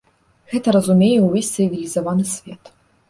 Гэта разумее ўвесь цывілізаваны свет.